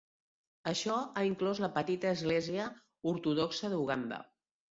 Això ha inclòs la petita Església Ortodoxa d'Uganda.